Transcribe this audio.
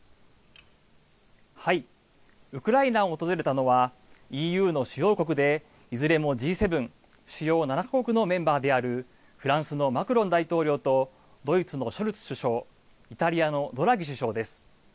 ウクライナを訪れたのは、ＥＵの主要国で、いずれもＧ７・主要７か国のメンバーであるフランスのマクロン大統領と、ドイツのショルツ首相、イタリアのドラギ首相です。